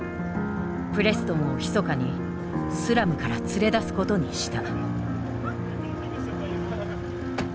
プレストンをひそかにスラムから連れ出すことにした。